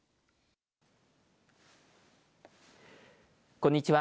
こんにちは。